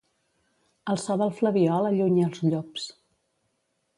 El so del flabiol allunya els llops.